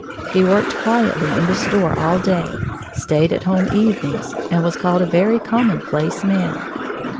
He worked quietly in the store all day, stayed at home evenings, and was called a very "commonplace man."